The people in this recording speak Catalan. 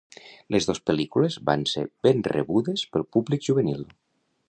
Les dos pel·lícules van ser ben rebudes pel públic juvenil.